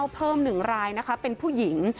เพิ่ม๑รายนะคะเป็นผู้หญิง